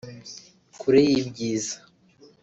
Kure y'ibyiza